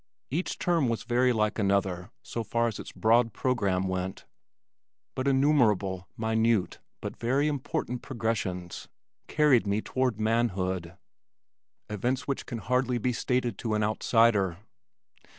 Each term was very like another so far as its broad program went but innumerable, minute but very important progressions carried me toward manhood, events which can hardly be stated to an outsider.